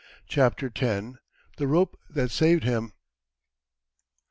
CHAPTER X THE ROPE THAT SAVED HIM.